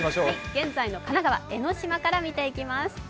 現在の神奈川、江の島から見ていきます。